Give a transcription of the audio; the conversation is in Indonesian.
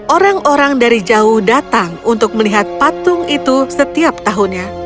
orang orang dari jauh datang untuk melihat patung itu setiap tahunnya